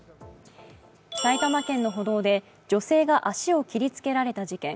埼玉県の歩道で女性が足を切りつけられた事件。